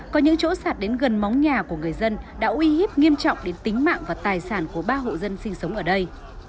có những chỗ sạt đến gần móng nhà của người dân đã uy hiếp nghiêm trọng đến tính mạng và tài sản của ba hộ dân sinh sống ở đây